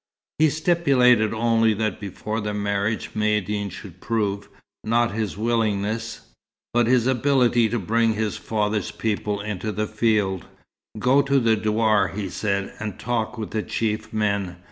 He stipulated only that before the marriage Maïeddine should prove, not his willingness, but his ability to bring his father's people into the field. "Go to the douar," he said, "and talk with the chief men.